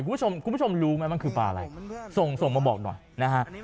คุณผู้ชมคุณผู้ชมรู้ไหมมันคือปลาอะไรส่งส่งมาบอกหน่อยนะฮะ